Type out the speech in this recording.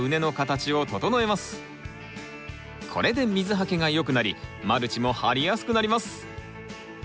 これで水はけが良くなりマルチも張りやすくなります。